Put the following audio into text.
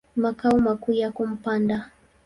Makao makuu yako Mpanda.